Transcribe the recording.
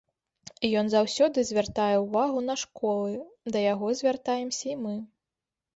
Ён заўсёды звяртае ўвагу на школы, да яго звяртаемся і мы.